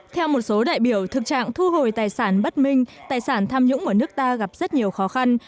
theo một số đại biểu thực trạng thu hồi tài sản bất minh tài sản tham nhũng ở nước ta gặp rất nhiều khó khăn